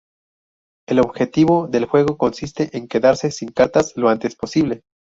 El objetivo del juego consiste en quedarse sin cartas lo antes posible.